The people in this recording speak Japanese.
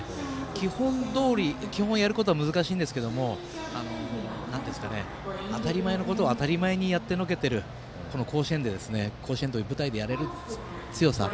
基本どおり、基本をやることは難しいんですが当たり前のことを当たり前にやってのけているこの甲子園という舞台でやれる強さ。